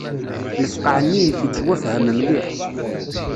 Lefqeε-nni-inek yettwfham mliḥ...